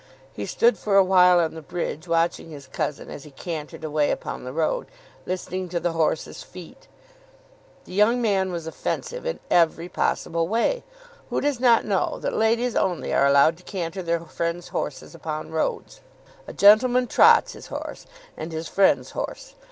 He stood for a while on the bridge watching his cousin as he cantered away upon the road, listening to the horse's feet. The young man was offensive in every possible way. Who does not know that ladies only are allowed to canter their friends' horses upon roads? A gentleman trots his horse, and his friend's horse.